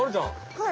はい。